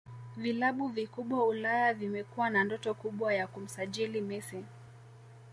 Vilabu vikubwa Ulaya vimekuwa na ndoto kubwa ya kumsajili Messi